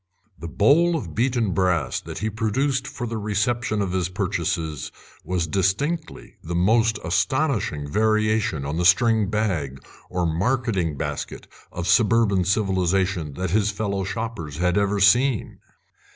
The bowl of beaten brass that he produced for the reception of his purchases was distinctly the most astonishing variation on the string bag or marketing basket of suburban civilisation that his fellow shoppers had ever seen.